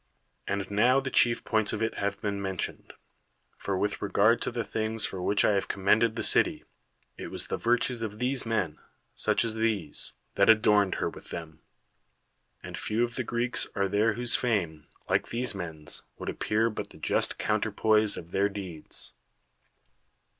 And now the chief points of it have been mentioned ; for with regard to the things for which I have commended the city, it was the virtues of these men, such as these, that adorned her with them ; and few of the Greeks are there whose fame, like these men's, wou.ld appear but the just counterpoise of their deeds.